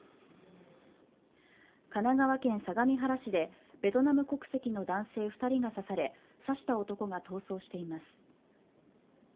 神奈川県相模原市でベトナム国籍の男性２人が刺され刺した男が逃走しています。